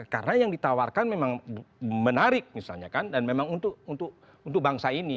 karena yang ditawarkan memang menarik misalnya kan dan memang untuk bangsa ini